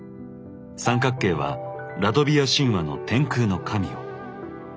三角形はラトビア神話の「天空の神」を。